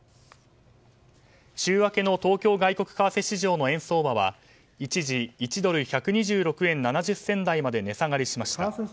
週明けの東京外国為替市場の円相場は一時１ドル＝１２６円７０銭台まで値下がりしました。